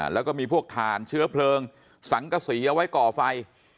แล้วก็มีพวกถ่านเชื้อเพลิงสังกษีเอาไว้ก่อไฟ